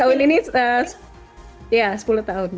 tahun ini ya sepuluh tahun